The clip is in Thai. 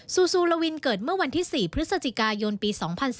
ซูซูลาวินเกิดเมื่อวันที่๔พฤศจิกายนปี๒๔